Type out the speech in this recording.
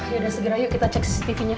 yaudah segera yuk kita cek cctv nya